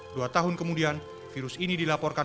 dua tahun kemudian virus ini dilaporkan